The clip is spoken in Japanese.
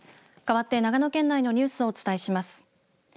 かわって長野県内のニュースをお伝えします。